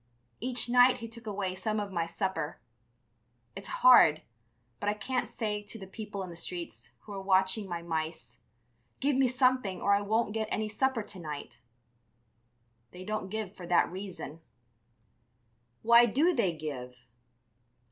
Each night he took away some of my supper. It's hard, but I can't say to the people in the streets, who are watching my mice: 'Give me something or I won't get any supper to night!' They don't give for that reason." "Why do they give?"